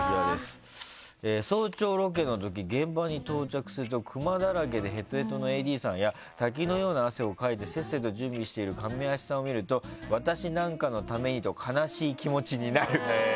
早朝ロケの時、現場に到着するとクマだらけでへとへとのＡＤさんや滝のような汗をかいてせっせと準備しているカメアシさんを見ると私なんかのためにと悲しい気持ちになる。